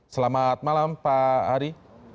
selamat malam pak hari